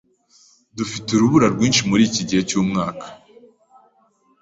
Dufite urubura rwinshi muriki gihe cyumwaka.